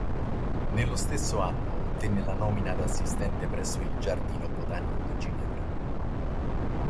Nello stesso anno, ottenne la nomina ad assistente presso il Giardino botanico di Ginevra.